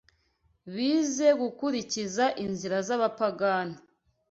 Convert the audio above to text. Bize gukurikiza inzira z’abapagani.